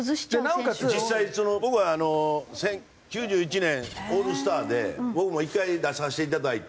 実際僕はあの９１年オールスターで僕も１回出させていただいて。